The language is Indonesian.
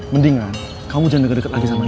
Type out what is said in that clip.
mendingan kamu jangan deket deket lagi sama dia ya